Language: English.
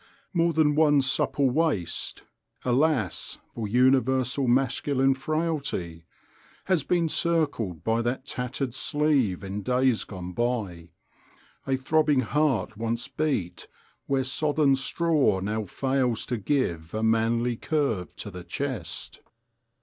More than one supple waist (alas! for universal masculine frailty!) has been circled by that tattered sleeve in days gone by; a throbbing heart once beat where sodden straw now fails to give a manly curve to the chest.